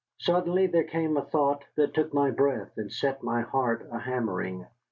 Suddenly there came a thought that took my breath and set my heart a hammering.